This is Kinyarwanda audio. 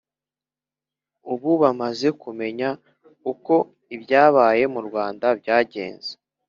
ubu bamaze kumenya uko ibyabaye murwanda byagenze